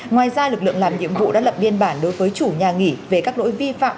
ngoài ra lực lượng làm nhiệm vụ đã lập biên bản đối với chủ nhà nghỉ về các lỗi vi phạm